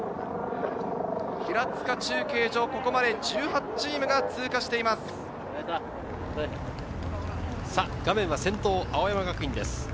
平塚中継所、ここまで１８チームが通過しています。